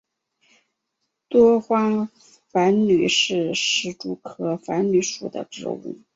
多花繁缕是石竹科繁缕属的植物。